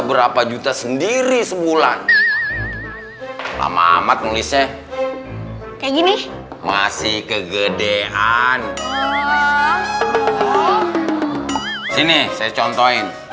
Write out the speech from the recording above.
berapa juta sendiri sebulan lama amat nulisnya kayak gini masih kegedean sini saya contohin